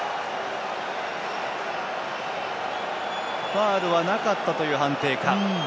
ファウルは、なかったという判定。